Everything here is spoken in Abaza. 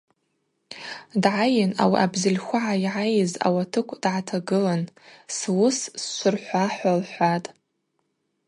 Дгӏайын, ауи абзыльхвагӏа йгӏайыз ауатыкв дгӏатагылын: Суыс сшвырхӏва,—лхӏватӏ.